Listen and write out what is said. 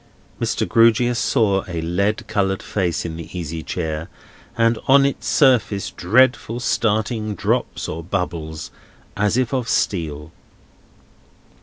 Mr. Grewgious saw a lead coloured face in the easy chair, and on its surface dreadful starting drops or bubbles, as if of steel.